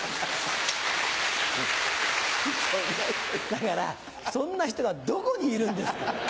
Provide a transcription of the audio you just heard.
だからそんな人がどこにいるんですか！